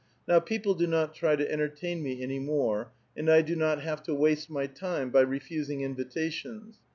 Now people do not try to entertain me any more, and I do not have to waste my time by refusing invitations.